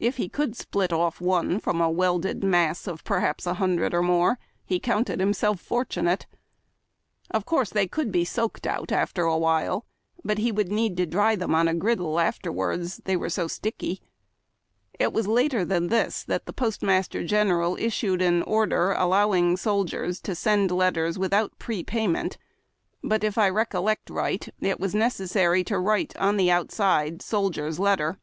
If he could split off one from a welded mass of perhaps a hundred or more, he counted himself fortunate. Of course they could be soaked out after a while, but he w^ould need to dry them on a griddle afterwards, they were so sticky. It was later than this that the postmaster general issued an order allowing soldiers to send letters without pre payment ; but, if I recollect right, it was necessary to write \VKITIN<i IIO.MI not all in the best of con (^4 IIAIW TACK AND COFFEE. on the outside '' Soldier's Letter."